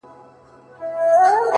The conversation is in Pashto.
د همدې شپې هېرول يې رانه هېر کړل”